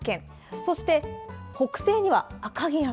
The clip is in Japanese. そして北西には赤城山。